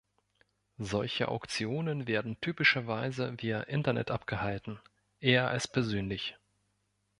Solche Auktionen werden typischerweise via Internet abgehalten, eher als persönlich.